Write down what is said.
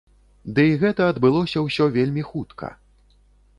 Ды і гэта адбылося ўсё вельмі хутка.